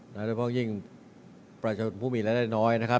และด้วยเพราะยิ่งประชนผู้มีรายได้น้อยนะครับ